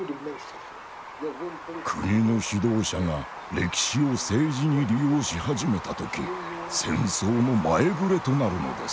国の指導者が歴史を政治に利用し始めた時戦争の前触れとなるのです。